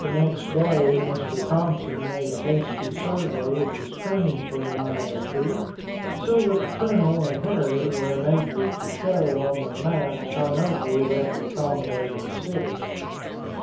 The next day Mr. Thompson made a hasty survey of the stream for a mile or two, so that the Colonel and Harry were enabled to show on their map how nobly that would accommodate the city.